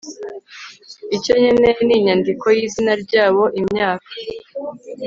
icyo nkeneye ni inyandiko yizina ryabo, imyaka